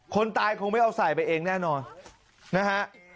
คนตายคงไม่เอาใส่ไปเองแน่นอนนะฮะ